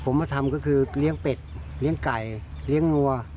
ผมทำก็คือเลี้ยงเป็ดเก๋งเลี้ยงงอ